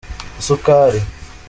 isukari.